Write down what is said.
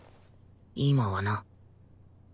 今はな